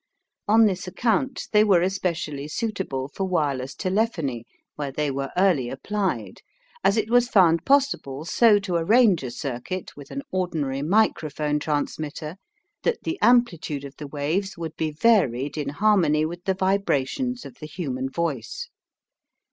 On this account they were especially suitable for wireless telephony where they were early applied, as it was found possible so to arrange a circuit with an ordinary microphone transmitter that the amplitude of the waves would be varied in harmony with the vibrations of the human voice.